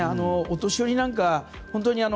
お年寄りなんかは、本当に。